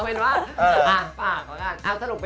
อะเต้นของหนู